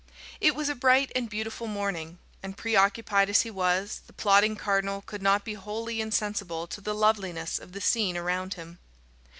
It was a bright and beautiful morning, and preoccupied as he was, the plotting cardinal could not be wholly insensible to the loveliness of the scene around him.